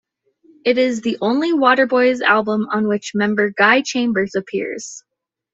It is the only Waterboys album on which member Guy Chambers appears.